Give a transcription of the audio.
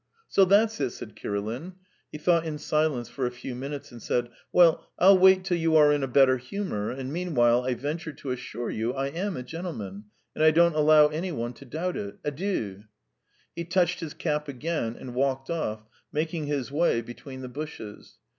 "So that's it!" said Kirilin; he thought in silence for a few minutes and said: "Well, I'll wait till you are in a better humour, and meanwhile I venture to assure you I am a gentleman, and I don't allow any one to doubt it. Adieu!" He touched his cap again and walked off, making his way between the bushes.